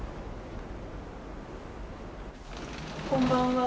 こんばんは。